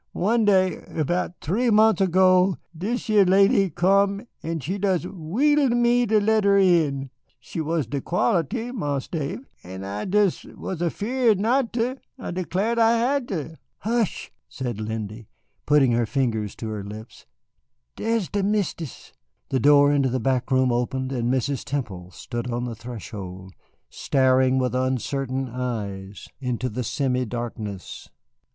One day erbout three mont's ergo, dis yer lady come en she des wheedled me ter let her in. She was de quality, Marse Dave, and I was des' afeard not ter. I declar' I hatter. Hush," said Lindy, putting her fingers to her lips, "dar's de Mistis!" The door into the back room opened, and Mrs. Temple stood on the threshold, staring with uncertain eyes into the semi darkness.